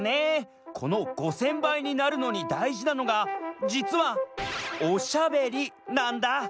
この５，０００ばいになるのにだいじなのがじつはおしゃべりなんだ！